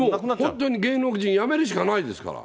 本当に芸能人やめるしかないですから。